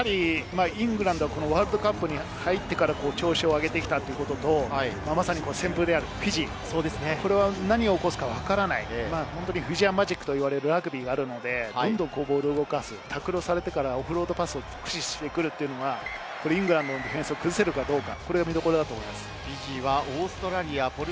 イングランドはワールドカップに入ってから調子を上げてきたということと、まさに旋風であるフィジー、何を起こすかわからない、フィジアンマジックと言われるラグビーがあるので、オフロードパスを駆使してくるというのが、イングランドのディフェンスを崩せるかどうか。